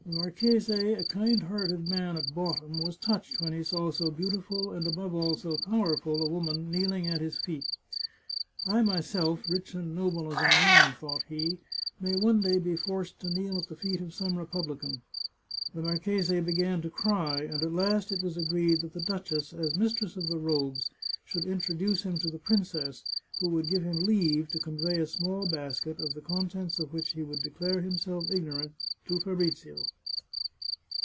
The marchese, a kind hearted man at bottom, was touched when he saw so beautiful and, above all, so powerful a woman, kneeling at his feet. " I myself, rich and noble as I am," thought he, " may one day be forced to kneel at the feet of some republican." The marchese began to cry, and at last it was agreed that 473 The Chartreuse of Parma the duchess, as mistress of the robes, should introduce him to the princess, who would give him leave to convey a small basket, of the contents of which he would declare himself ignorant, to Fabrizio.